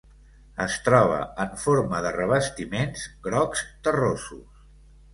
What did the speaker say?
Es troba en forma de revestiments grocs terrosos.